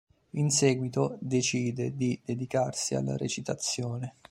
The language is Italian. In seguito decide di dedicarsi alla recitazione.